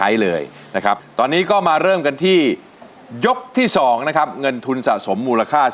อินโทรยกที่สองของคุณปูมาเลยครับ